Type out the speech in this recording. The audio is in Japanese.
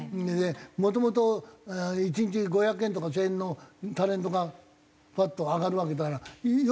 もともと１日５００円とか１０００円のタレントがパッと上がるわけだからよかったけども。